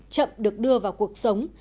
chậm được đưa vào cuộc sống